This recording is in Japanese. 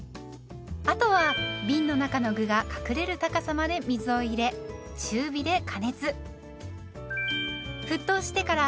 あとはびんの中の具が隠れる高さまで水を入れ中火で加熱。